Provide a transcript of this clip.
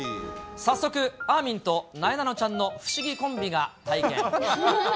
早速、あーみんとなえなのちゃんの不思議コンビが体験。